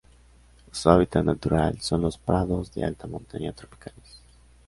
Su hábitat natural son los prados de alta montaña tropicales.